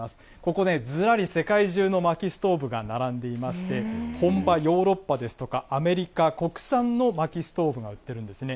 ここね、ずらり世界中のまきストーブが並んでいまして、本場ヨーロッパですとか、アメリカ、国産のまきストーブが売っているんですね。